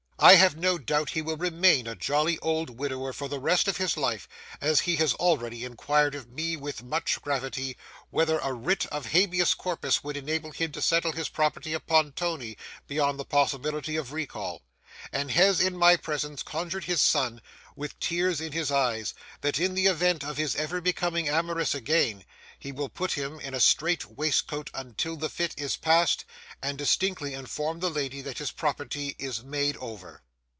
I have no doubt he will remain a jolly old widower for the rest of his life, as he has already inquired of me, with much gravity, whether a writ of habeas corpus would enable him to settle his property upon Tony beyond the possibility of recall; and has, in my presence, conjured his son, with tears in his eyes, that in the event of his ever becoming amorous again, he will put him in a strait waistcoat until the fit is past, and distinctly inform the lady that his property is 'made over.